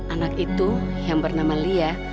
anak itu yang bernama lia